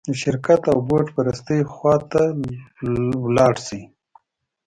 د شرک او بوت پرستۍ خوا ته لاړ شي.